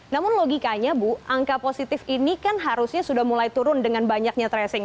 namun logikanya bu angka positif ini kan harusnya sudah mulai turun dengan banyaknya tracing